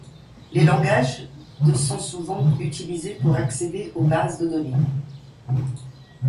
Les langages de sont souvent utilisés pour accéder aux bases de données.